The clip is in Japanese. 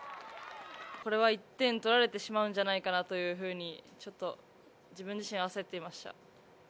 これは１点取られてしまうんじゃないかなというふうに、ちょっと自分自身焦っていました。